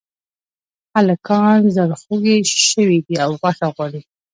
هلکان زړخوږي شوي دي او غوښه غواړي